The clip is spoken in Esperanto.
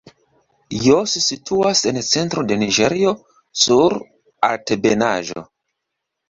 Jos situas en centro de Niĝerio sur altebenaĵo.